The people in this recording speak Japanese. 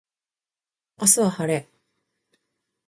明日は晴れ